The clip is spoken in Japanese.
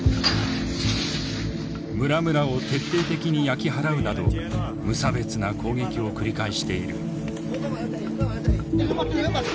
村々を徹底的に焼き払うなど無差別な攻撃を繰り返している。